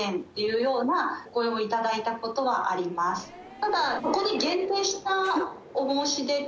ただ。